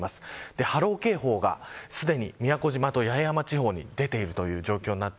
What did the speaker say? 波浪警報が、すでに宮古島と八重山地方に出ているという状況です。